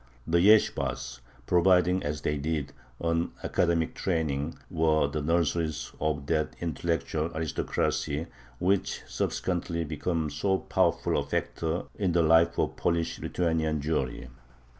The yeshibahs, providing as they did an academic training, were the nurseries of that intellectual aristocracy which subsequently became so powerful a factor in the life of Polish Lithuanian Jewry.